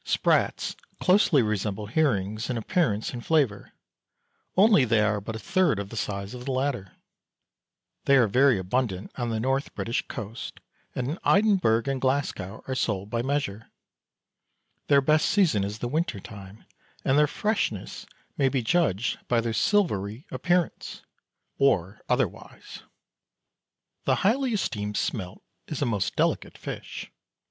Sprats closely resemble herrings in appearance and flavour, only they are but a third of the size of the latter. They are very abundant on the North British coasts, and in Edinburgh and Glasgow are sold by measure. Their best season is the winter time, and their freshness may be judged by their silvery appearance or otherwise. The highly esteemed smelt is a most delicate fish.